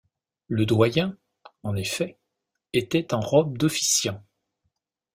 Le doyen, en effet, était en robe d’officiant.